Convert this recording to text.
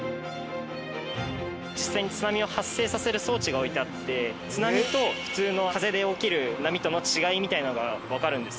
実際に津波を発生させる装置が置いてあって津波と普通の風で起きる波との違いみたいなのがわかるんです。